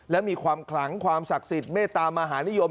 และมีความขลังความศักดิ์สิทธิ์เมตตามหานิยม